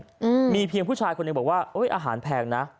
อืมมีเพียงผู้ชายคนหนึ่งบอกว่าโอ้ยอาหารแพงนะ